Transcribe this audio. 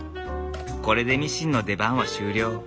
これでミシンの出番は終了。